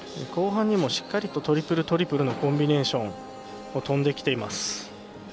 後半にもしっかりとトリプル、トリプルのコンビネーションを跳んできています。